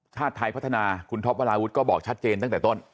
ชาติไทยพัฒนาคุณท็อปวราวุฒิก็บอกชัดเจนตั้งแต่ต้น